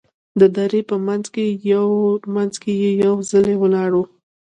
د درې په منځ کې یې یو څلی ولاړ و.